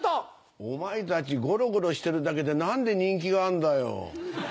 お前たち、ごろごろしてるだけで、なんで人気があんだよ。